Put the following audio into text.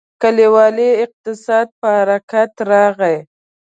کلیوالي اقتصاد په حرکت راغی.